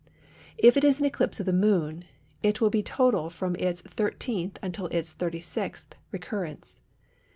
If it is an eclipse of the Moon, it will be total from its 13th until its 36th recurrence.